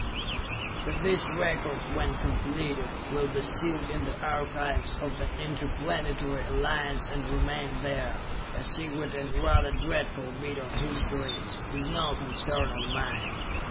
] That this record, when completed, will be sealed in the archives of the Interplanetary Alliance and remain there, a secret and rather dreadful bit of history, is no concern of mine.